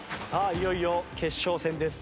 いよいよ決勝戦です。